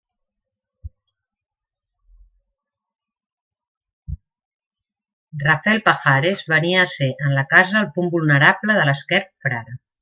Rafel Pajares venia a ser en la casa el punt vulnerable de l'esquerp Frare.